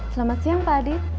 selamat siang pak adi